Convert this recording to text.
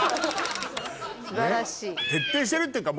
徹底してるっていうか